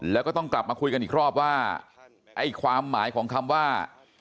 แล้วก็ต้องกลับมาคุยกันอีกรอบว่าไอ้ความหมายของคำว่า